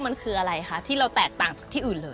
มันคืออะไรคะที่เราแตกต่างจากที่อื่นเลย